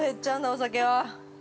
お酒は。